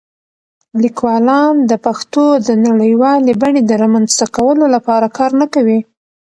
لیکوالان د پښتو د نړیوالې بڼې د رامنځته کولو لپاره کار نه کوي.